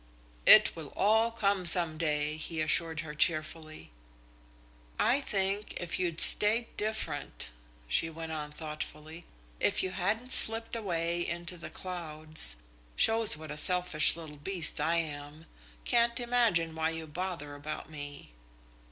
"It will all come some day," he assured her cheerfully. "I think if you'd stayed different," she went on thoughtfully, "if you hadn't slipped away into the clouds ... shows what a selfish little beast I am! Can't imagine why you bother about me."